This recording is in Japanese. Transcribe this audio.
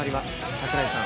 櫻井さん。